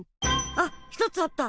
あっひとつあった。